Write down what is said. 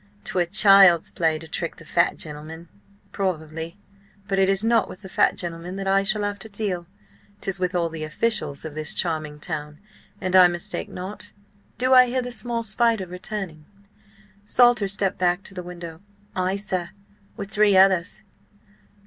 'Twere child's play to trick the fat gentleman." "Probably. But it is not with the fat gentleman that I shall have to deal. 'Tis with all the officials of this charming town, an I mistake not. Do I hear the small spider returning?" Salter stepped back to the window. "Ay, sir–with three others."